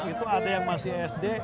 itu ada yang masih sd